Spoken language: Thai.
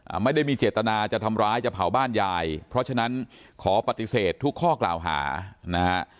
ไม่ได้มีเจตนาจะทำร้ายจะเผาบ้านยายเพราะฉะนั้นขอปฏิเสธทุกข้อกล่าวหานะฮะ